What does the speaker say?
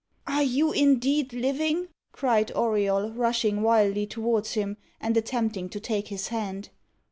"Are you indeed living?" cried Auriol, rushing wildly towards him, and attempting to take his hand.